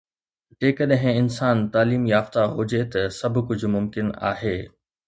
جيڪڏهن انسان تعليم يافته هجي ته سڀ ڪجهه ممڪن آهي